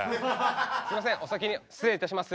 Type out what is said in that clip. すいませんお先に失礼いたします。